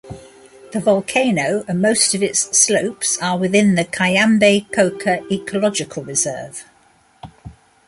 The volcano and most of its slopes are within the Cayambe Coca Ecological Reserve.